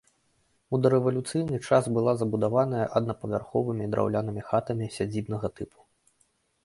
У дарэвалюцыйны час была забудаваная аднапавярховымі драўлянымі хатамі сядзібнага тыпу.